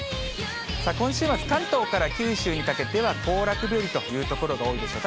今週末、関東から九州にかけては行楽日和という所が多いでしょう。